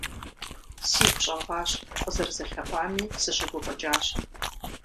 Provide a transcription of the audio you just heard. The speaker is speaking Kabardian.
Сигу щӀэгъуащ, къызэрызэлъэӀуами сыщыгуфӀыкӀащ.